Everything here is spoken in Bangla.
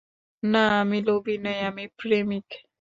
না, আমি লোভী নই, আমি প্রেমিক।